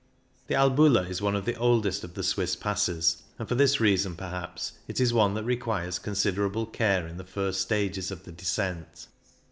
The Albula is one of the oldest of the Swiss passes, and for this reason, perhaps, it is one that requires considerable care in the first stages of the descent.